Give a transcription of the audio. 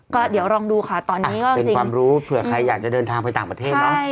ก็เดี๋ยวลองดูค่ะตอนนี้ก็เป็นความรู้เผื่อใครอยากจะเดินทางไปต่างประเทศเนอะ